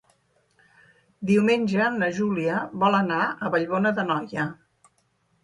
Diumenge na Júlia vol anar a Vallbona d'Anoia.